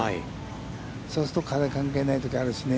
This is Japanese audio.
そうすると風、関係ないときあるしね。